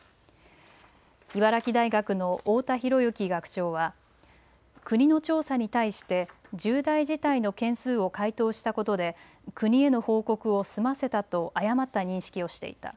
茨城大学の太田寛行学長は、国の調査に対して重大事態の件数を回答したことで、国への報告を済ませたと誤った認識をしていた。